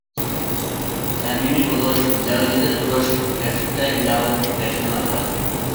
سەمىمىي بولۇش، لەۋزىدە تۇرۇش كەسىپتە ئىناۋەت تىكلەشنىڭ ئاساسى.